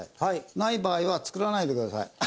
ない場合は作らないでください。